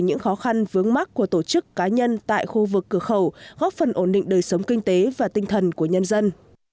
những khó khăn vướng mắt của tổ chức cá nhân tại khu vực cửa khẩu góp phần ổn định đời sống kinh tế và tinh thần của nhân dân